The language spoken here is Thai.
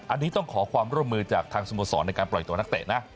อันนี้ต้องขอความร่วมมือจากทางสโมสรในการปล่อยตัวนักเตะนะ